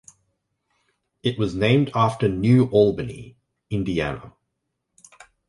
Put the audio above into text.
It was named after New Albany, Indiana.